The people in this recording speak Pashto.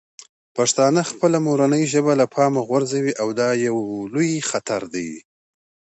پښتانه خپله مورنۍ ژبه له پامه غورځوي او دا یو لوی خطر دی.